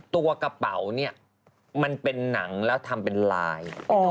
ตัวกระเป๋าเนี่ยมันเป็นหนังแล้วทำเป็นลาย